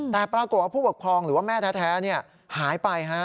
แต่ปรากฏว่าผู้ปกครองหรือว่าแม่แท้หายไป